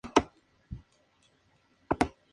La culminación es el domingo con la romería.